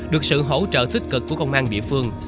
được sự hỗ trợ tích cực của công an địa phương